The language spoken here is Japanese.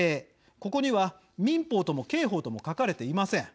ここには、民法と刑法とも書かれていません。